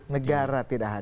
negara tidak hadir